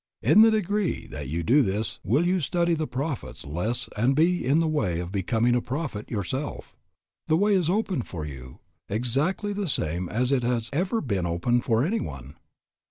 In the degree that you do this will you study the prophets less and be in the way of becoming a prophet yourself. The way is open for you exactly the same as it has ever been open for anyone.